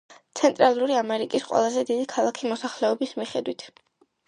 ცენტრალური ამერიკის ყველაზე დიდი ქალაქი მოსახლეობის მიხედვით.